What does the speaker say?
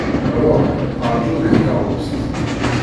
Ṛuḥ rǧu deg tkeṛṛust.